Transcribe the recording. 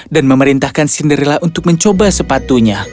dan memerintahkan cinderella untuk mencoba sepatunya